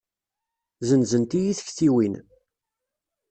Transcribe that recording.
Zenzent-iyi tektiwin.